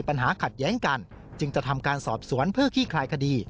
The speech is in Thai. ผมรอยเปอร์เซ็นต์ครับีม